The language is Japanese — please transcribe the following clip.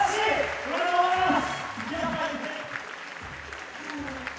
おめでとうございます。